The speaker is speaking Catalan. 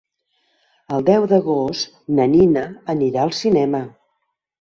El deu d'agost na Nina anirà al cinema.